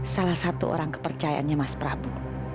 salah satu orang kepercayaannya mas prabu